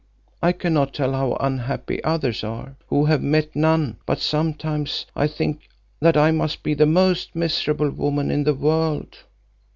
I cannot tell how unhappy others are, who have met none, but sometimes I think that I must be the most miserable woman in the world."